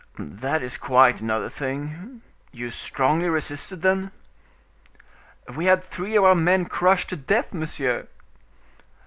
"That is quite another thing. You strongly resisted, then?" "We had three of our men crushed to death, monsieur!"